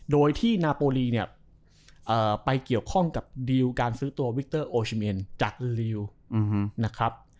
โดยที่นาโปรลีเนี่ยไปเกี่ยวข้องกับดีลการซื้อตัววิกเตอร์โอชิเมนจากลิวนะครับ